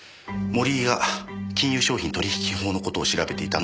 森井が金融商品取引法の事を調べていたのは明白です。